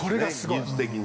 技術的に。